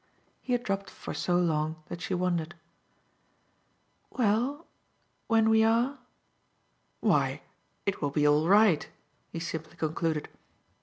He had dropped for so long that she wondered. "Well, when we are ?" "Why, it will be all right," he simply concluded.